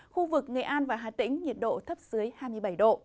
khu vực nghệ an và hà tĩnh nhiệt độ thấp dưới